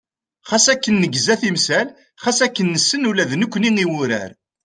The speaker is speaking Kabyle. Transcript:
Xas akken negza timsal, xas akken nessen ula d nekkni i wurar.